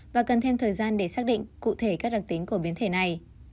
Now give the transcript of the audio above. và cần thêm thời gian để xác định cụ thể các đặc tính của biến thể này